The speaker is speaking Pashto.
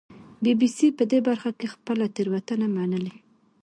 بي بي سي په دې برخه کې خپله تېروتنه منلې